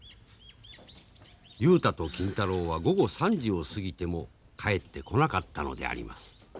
雄太と金太郎は午後３時を過ぎても帰ってこなかったのであります。